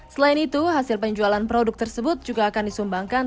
selain itu hasil penjualan produk tersebut juga akan disumbangkan